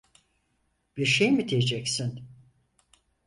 Bir şey mi diyeceksin?